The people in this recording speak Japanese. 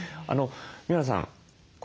三村さん